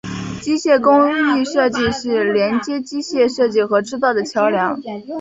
机械工艺设计是连接机械设计和制造的桥梁。